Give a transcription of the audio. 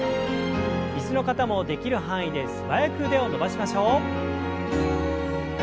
椅子の方もできる範囲で素早く腕を伸ばしましょう。